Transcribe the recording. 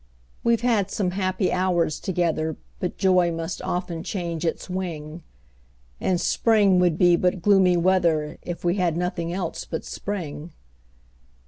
We've had some happy hours together, But joy must often change its wing; And spring would be but gloomy weather, If we had nothing else but spring.